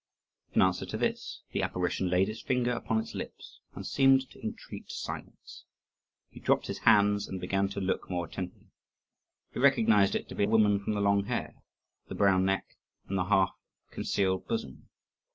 In answer to this, the apparition laid its finger upon its lips and seemed to entreat silence. He dropped his hands and began to look more attentively. He recognised it to be a woman from the long hair, the brown neck, and the half concealed bosom.